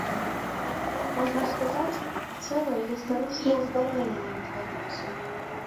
Можна сказаць, цэлае гістарычнае здарэнне ўтварылася.